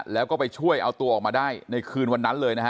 แล้วก็ไปช่วยเอาตัวออกมาได้ในคืนวันนั้นเลยนะฮะ